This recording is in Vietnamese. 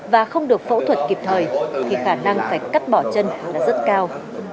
và không được phẫu thuật kịp thời thì khả năng phải cắt bỏ chân là rất cao